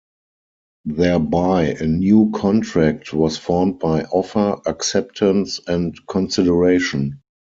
Thereby, a new contract was formed by offer, acceptance, and consideration.